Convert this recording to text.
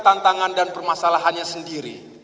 tantangan dan permasalahannya sendiri